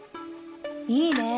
いいね。